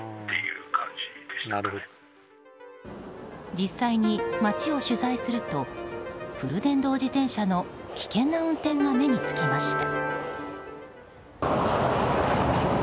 実際に街を取材するとフル電動自転車の危険な運転が目に付きました。